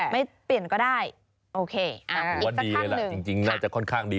ไม่เปลี่ยนก็ได้